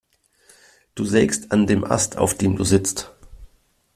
Du sägst an dem Ast, auf dem du sitzt.